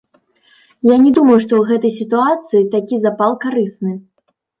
Я не думаю, што ў гэтай сітуацыі такі запал карысны.